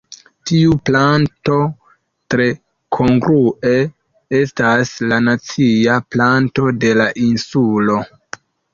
Tiu planto tre kongrue estas la nacia planto de la insulo.